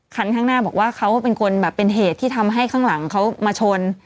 คันข้างหน้าบอกว่าเขาเป็นคนแบบเป็นเหตุที่ทำให้ข้างหลังเขามาชน